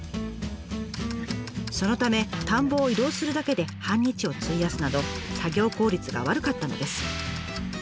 そのため田んぼを移動するだけで半日を費やすなど作業効率が悪かったのです。